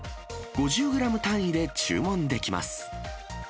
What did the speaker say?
５０グラム単位で注文できます。